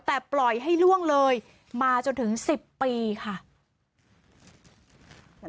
แต่ปล่อยให้ล่วงเลยมาจนถึง๑๐ปีค่ะ